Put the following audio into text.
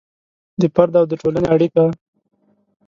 د فرد او د ټولنې اړیکه